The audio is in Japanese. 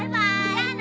じゃあな。